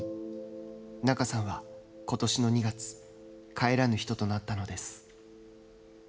仲さんはことしの２月帰らぬ人となったのです。